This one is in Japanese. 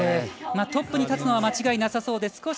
トップに立つのは間違いなさそうです。